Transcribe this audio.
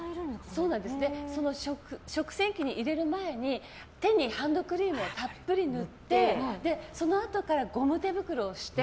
その食洗機に入れる前に手にハンドクリームをたっぷり塗ってそのあとからゴム手袋をして